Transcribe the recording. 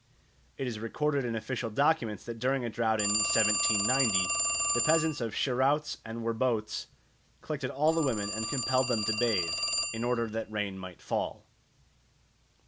It is recorded in official documents that during a drought in 1790 the peasants of Scheroutz and Werboutz collected all the women and compelled them to bathe, in order that rain might fall.